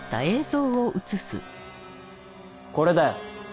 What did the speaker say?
これだよ。